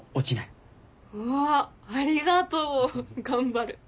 うわありがとう。頑張る。